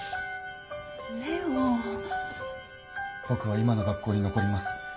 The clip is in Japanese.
僕は今の学校に残ります。